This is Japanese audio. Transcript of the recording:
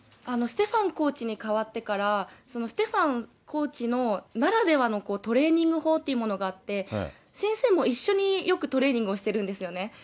ステファンコーチにかわってから、ステファンコーチならではのトレーニング法っていうものがあって、先生も一緒によくトレーニングをしてるんですよね。